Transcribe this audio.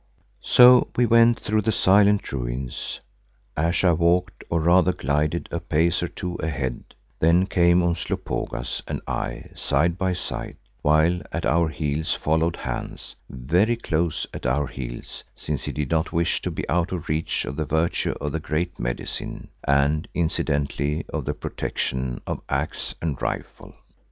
So we went through the silent ruins. Ayesha walked, or rather glided a pace or two ahead, then came Umslopogaas and I side by side, while at our heels followed Hans, very close at our heels since he did not wish to be out of reach of the virtue of the Great Medicine and incidentally of the protection of axe and rifle.